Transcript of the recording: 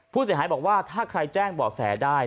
ผู้เสียหายบอกว่าถ้าใครแจ้งเบาะแสได้